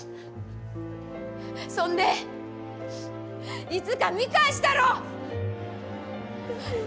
そんで、いつか見返したろ！